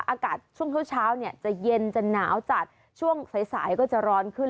อากาศช่วงเช้าจะเย็นจะหนาวจัดช่วงสายก็จะร้อนขึ้น